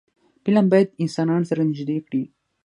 فلم باید انسانان سره نږدې کړي